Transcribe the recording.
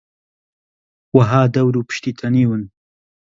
وەها دەور و پشتی تەنیون